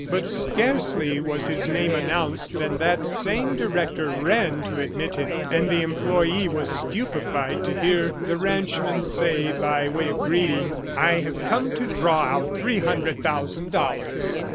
But scarcely was his name announced than that same director ran to admit him, and the employee was stupefied to hear the ranchman say, by way of greeting, "I have come to draw out three hundred thousand dollars.